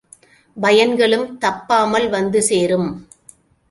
பயன் களும் தப்பாமல் வந்து சேரும்.